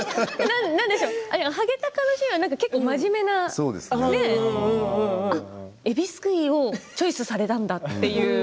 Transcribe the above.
「ハゲタカ」のシーンは真面目なねえびすくいをチョイスされたんだという。